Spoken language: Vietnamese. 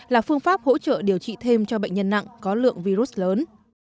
là phương pháp hỗ trợ điều trị thêm cho bệnh nhân nặng có lượng virus lớn